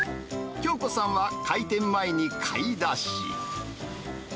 京子さんは開店前に買い出し。